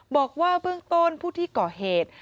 บอกว่าเบื้องต้นผู้ที่ก่อเหตุ